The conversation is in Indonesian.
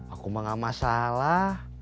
aku mah gak masalah